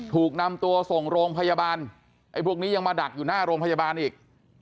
ถูกนำตัวส่งโรงพยาบาลไอ้พวกนี้ยังมาดักอยู่หน้าโรงพยาบาลอีก